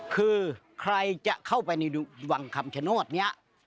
คือใครจะเข้าไปในวังคำชโนธเนี่ย